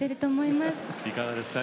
いかがですか？